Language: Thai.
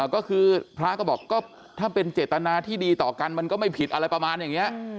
ก็คือพระก็บอกก็ถ้าเป็นเจตนาที่ดีต่อกันมันก็ไม่ผิดอะไรประมาณอย่างนี้